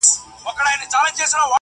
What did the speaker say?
زه له فطرته عاشقي کوومه ښه کوومه,